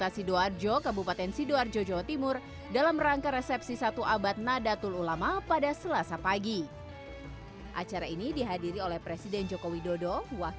sampai jumpa di video selanjutnya